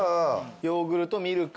ヨーグルトミルク